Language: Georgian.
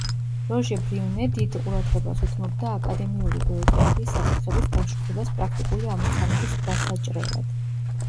როჟე ბრიუნე დიდ ყურადღებას უთმობდა აკადემიური გეოგრაფიის საკითხების გაშუქებას პრაქტიკული ამოცანების დასაჭრელად.